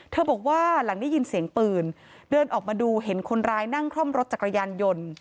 บอกว่าหลังได้ยินเสียงปืนเดินออกมาดูเห็นคนร้ายนั่งคล่อมรถจักรยานยนต์